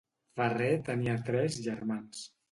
Ferrer tenia tres germans.